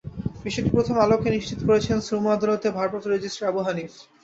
বিষয়টি প্রথম আলোকে নিশ্চিত করেছেন শ্রম আদালতের ভারপ্রাপ্ত রেজিস্ট্রার আবু হানিফ।